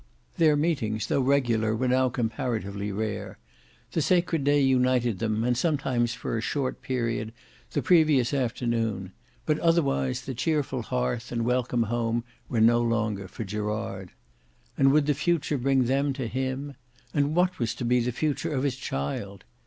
Their meetings, though regular, were now comparatively rare. The sacred day united them, and sometimes for a short period the previous afternoon, but otherwise the cheerful hearth and welcome home were no longer for Gerard. And would the future bring them to him? And what was to be the future of his child?